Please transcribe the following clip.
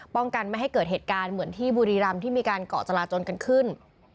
ป้องกันไม่ให้เกิดเหตุการณ์เหมือนที่บุรีรำที่มีการเกาะจราจนกันขึ้น